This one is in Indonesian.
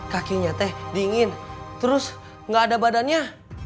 kakinya teh dingin terus nggak ada badannya